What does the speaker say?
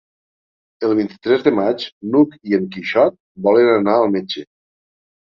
El vint-i-tres de maig n'Hug i en Quixot volen anar al metge.